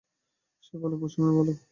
সেই ভালো, পশ্চিমই ভালো।